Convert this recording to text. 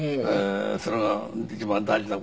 それが一番大事な事。